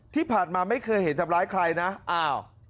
ที่ผ่านมาไม่เคยเห็นทำร้ายใครนะอ้าว